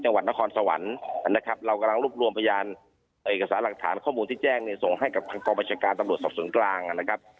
จังหวัดนครสวรรค์นะครับเรากำลังรวบรวมพยานเอกสารหลักฐานข้อมูลที่แจ้งเนี่ยส่งให้กับทางกองประชาการตำรวจสอบสวนกลางนะครับ